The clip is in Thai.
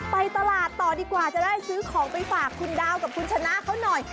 ไปตลาดต่อดีกว่าจะได้ซื้อของไปฝากคุณดาวกับคุณชนะเขาหน่อย